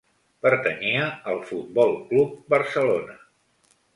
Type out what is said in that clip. Pertanyia al Futbol Club Barcelona.